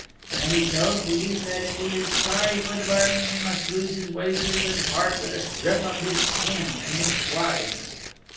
And he tells the youth that if he says he is sorry for the bargain he must lose his wages and part with a strip of his skin, an inch wide.